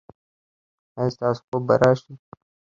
ایا ستاسو خوب به راشي؟